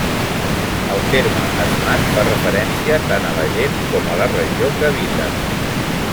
El terme Asmat fa referència tant a la gent com a la regió que habiten.